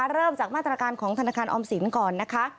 เริ่มจากมาตรการของธนาคารออมสินก่อนนะคะ